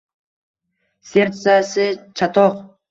«serdtsa»si chatoq.